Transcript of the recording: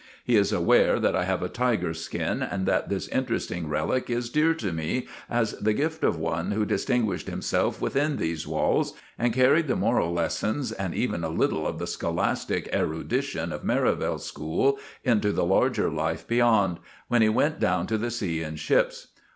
He is aware that I have a tiger's skin, and that this interesting relic is dear to me as the gift of one who distinguished himself within these walls, and carried the moral lessons, and even a little of the scholastic erudition of Merivale School into the larger life beyond, when he went down to the sea in ships.